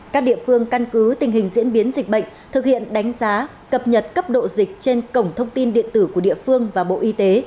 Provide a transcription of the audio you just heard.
các địa phương căn cứ tình hình diễn biến dịch bệnh thực hiện đánh giá cập nhật cấp độ dịch trên cổng thông tin điện tử của địa phương và bộ y tế